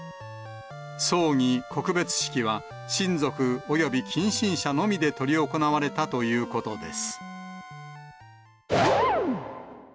葬儀・告別式は、親族および近親者のみで執り行われたということです。